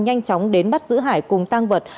nhanh chóng đến bắt giữ hải cùng tăng vật